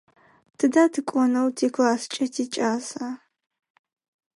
Тыдэ тыкӏонэу тикласскӏэ тикӏаса?